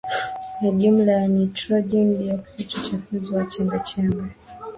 ya jumla ya Nitrojeni Dioksidi Uchafuzi wa Chembechembe